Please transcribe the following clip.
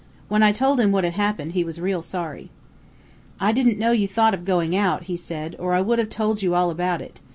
When I told him what had happened, he was real sorry. "'I didn't know you thought of going out,' he said, 'or I would have told you all about it.